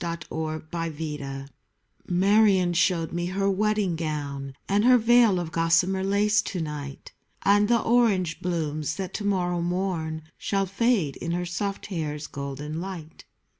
WHAT SHE THOUGHT Marion showed me her wedding gown And her veil of gossamer lace to night, And the orange blooms that to morrow morn Shall fade in her soft hair's golden light.